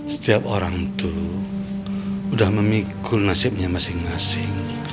setiap orang tuh udah memikul nasibnya masing masing